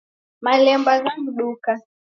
Malemba ghaw'uduka